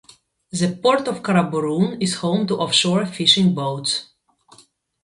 The Port of Karaburun is home to offshore fishing boats.